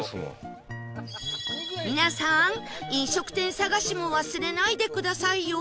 皆さん飲食店探しも忘れないでくださいよ